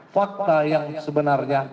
fakta yang sebenarnya